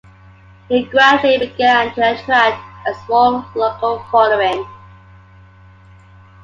He gradually began to attract a small local following.